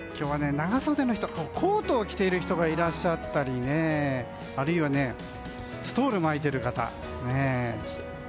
今日はコートを着ている人がいらっしゃったりあるいはストールを巻いている方。